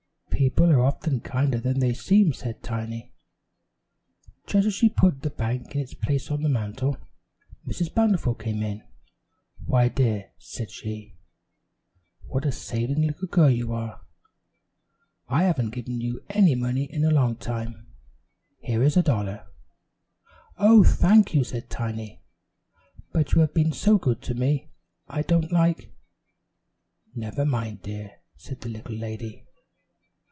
"People are often kinder than they seem," said Tiny. Just as she put the bank in its place on the mantel, Mrs. Bountiful came in. "Why, dear," said she, "what a saving little girl you are; I haven't given you any money in a long time; here is a dollar." "Oh, thank you," said Tiny, "but you have been so good to me, I don't like " "Never mind, dear," said the little lady.